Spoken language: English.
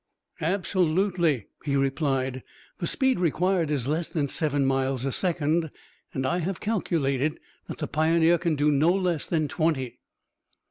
"Absolutely," he replied. "The speed required is less than seven miles a second, and I have calculated that the Pioneer can do no less than twenty."